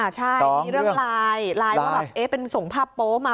ใช่เรื่องลายลายว่าเป็นส่งภาพโป๊ะมา